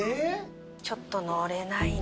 ちょっと乗れないな。